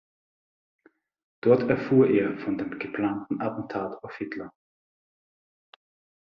Dort erfuhr er von dem geplanten Attentat auf Hitler.